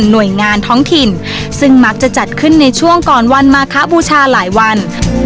หน่วยงานท้องถิ่นซึ่งมักจะจัดขึ้นในช่วงก่อนวันมาคบูชาหลายวัน